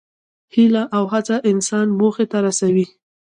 هیله او هڅه انسان موخې ته رسوي.